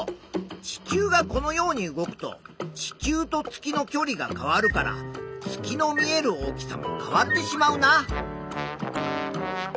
地球がこのように動くと地球と月のきょりが変わるから月の見える大きさも変わってしまうな。